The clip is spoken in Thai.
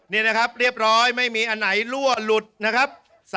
นี่นะครับเรียบร้อยไม่มีอันไหนรั่วหลุดนะครับ